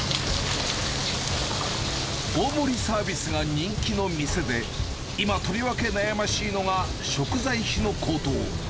大盛りサービスが人気の店で、今、とりわけ悩ましいのが食材費の高騰。